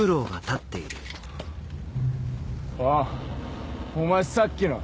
あっお前さっきの。